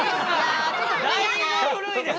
だいぶ古いですね。